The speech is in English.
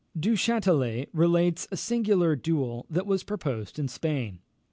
Du Chastelet relates a singular duel that was proposed in Spain.